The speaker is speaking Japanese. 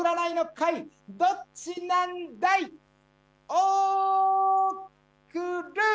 おーくる！